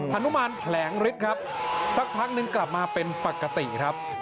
นุมานแผลงฤทธิ์ครับสักพักนึงกลับมาเป็นปกติครับ